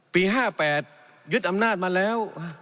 ปี๕๘ยึดอำนาจมาแล้ว